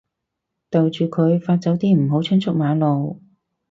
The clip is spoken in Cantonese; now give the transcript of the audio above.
逗住佢發酒癲唔好衝出馬路